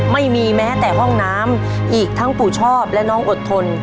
ไม่มีแม้แต่ห้องน้ำอีกทั้งปู่ชอบและน้องอดทน